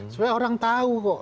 supaya orang tahu kok